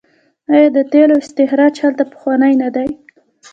آیا د تیلو استخراج هلته پخوانی نه دی؟